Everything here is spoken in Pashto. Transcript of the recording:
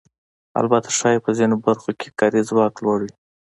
البته ښایي په ځینو برخو کې کاري ځواک لوړ وي